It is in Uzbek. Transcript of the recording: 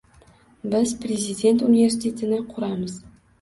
Biz prezident universitetini quramiz.